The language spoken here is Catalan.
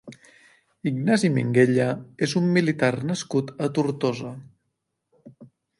Ignasi Minguella és un militar nascut a Tortosa.